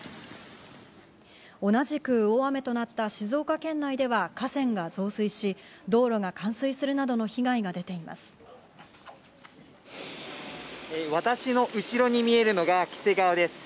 同じく大雨となった静岡県内では河川が増水し、道路が冠水するなどの被害が私の後ろに見えるのが黄瀬川です。